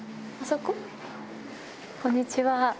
こんにちは。